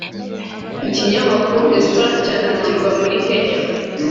Ikinyamakuru The Star cyandikirwa muri Kenya